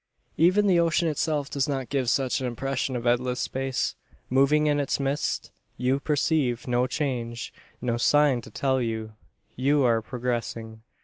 Even the ocean itself does not give such an impression of endless space. Moving in its midst you perceive no change no sign to tell you you are progressing.